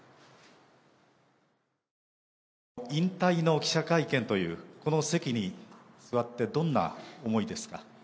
引退の記者会見という、この席に座って、どんな思いですか？